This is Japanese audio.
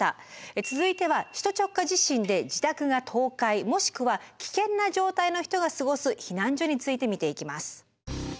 続いては首都直下地震で自宅が倒壊もしくは危険な状態の人が過ごす避難所について見ていきます。